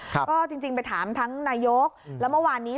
ก็จริงไปถามทั้งนายกแล้วเมื่อวานนี้